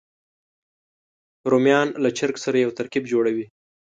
رومیان له چرګ سره یو ترکیب جوړوي